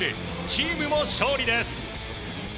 チームも勝利です。